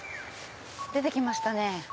出て来ましたね